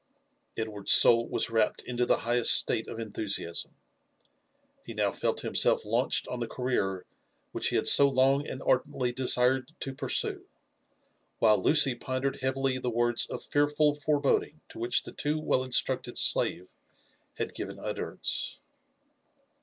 Edward's soul was wrapt into the highest state of enthusiasm. He now felt himself launched on the career which he had so long and ardently desired to pursue ; while Lucy pondered heavily the words of fearful foreboding to which the too well rinstructed slave had given utterance.